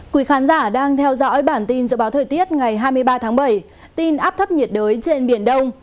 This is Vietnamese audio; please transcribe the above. quý khán giả đang theo dõi bản tin dự báo thời tiết ngày hai mươi ba tháng bảy tin áp thấp nhiệt đới trên biển đông